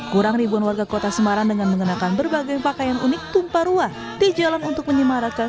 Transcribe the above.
kurang ribuan warga kota semarang dengan mengenakan berbagai pakaian unik tumpah ruah di jalan untuk menyemarakan